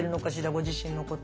ご自身のこと。